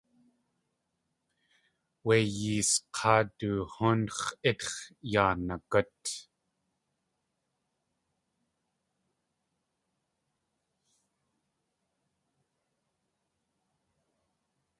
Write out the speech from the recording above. Wé yées k̲áa du húnx̲w ítx̲ yaa nagút.